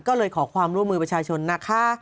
ก็เลยขอความร่วมมือประชาชนนะคะ